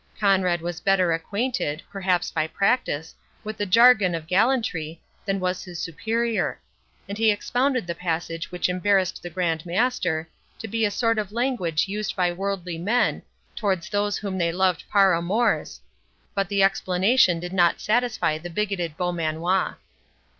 Conrade was better acquainted (perhaps by practice) with the jargon of gallantry, than was his Superior; and he expounded the passage which embarrassed the Grand Master, to be a sort of language used by worldly men towards those whom they loved 'par amours'; but the explanation did not satisfy the bigoted Beaumanoir.